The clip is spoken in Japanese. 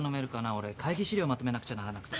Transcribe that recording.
俺会議資料まとめなくちゃならなくて。